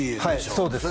はいそうですね